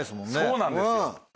そうなんですよ。